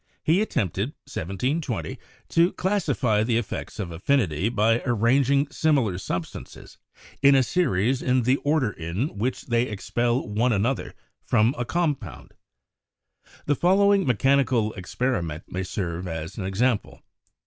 He attempted (1720) to classify the effects of affinity by arranging similar substances in a series in the order in which they expel one another from a compound : "The following me chanical experiment may serve as an example.